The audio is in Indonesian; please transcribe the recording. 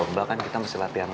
timnya kayak banyak rasanya